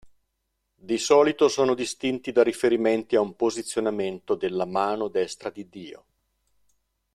Di solito sono distinti da riferimenti a un posizionamento della "mano destra di Dio".